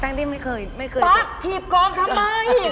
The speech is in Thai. ตั้งที่ไม่เคยเจอปั๊กถีบกองทำไม